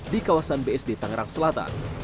di kawasan bsd tangerang selatan